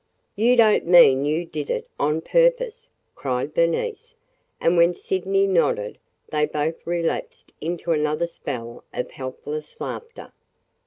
"You don't mean you did it – on purpose?" cried Bernice. And when Sydney nodded, they both relapsed into another spell of helpless laughter.